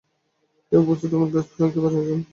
কে প্রস্তুত আমার বেস্ট ফ্রেন্ডকে বাঁচানোর জন্য?